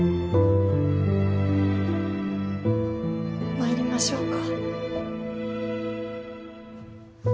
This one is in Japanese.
参りましょうか。